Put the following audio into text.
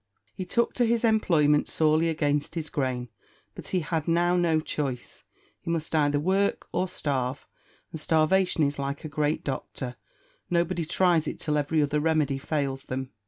He took to his employment sorely against his grain; but he had now no choice. He must either work or starve, and starvation is like a great doctor nobody tries it till every other remedy fails them.